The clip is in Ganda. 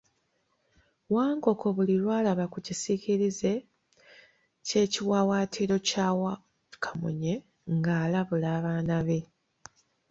Wankoko buli lw'alaba ku kisiikirize ky'ekiwaawaatiro kya Wakamunye ng'alabula abaana be .